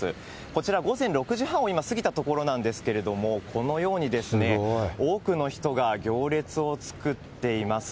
こちら、午前６時半を今、過ぎたところなんですけれども、このように多くの人が行列を作っています。